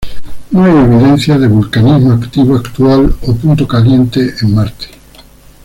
No hay evidencia de vulcanismo activo actual o punto caliente en Marte.